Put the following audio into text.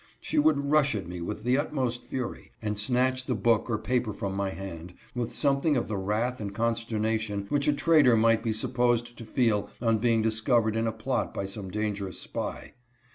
She would rush at me with the utmost fury, and snatch the book or paper from my hand, with something of the wrath and consternation which a traitor might be supposed to feel on being dis covered in a plot by some dangerous spy.